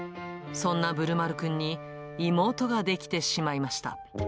そんなぶるまるくんに妹が出来てしまいました。